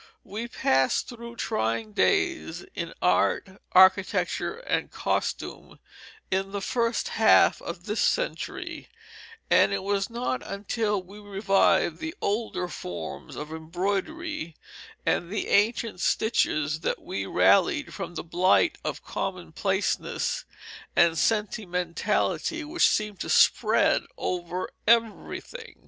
We passed through trying days in art, architecture, and costume in the first half of this century; and it was not until we revived the older forms of embroidery, and the ancient stitches, that we rallied from the blight of commonplaceness and sentimentality which seemed to spread over everything.